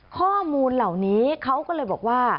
ข้อมูลเหล่านี้เขาก็เลยบอกว่า